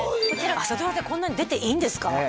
朝ドラってこんなに出ていいんですか？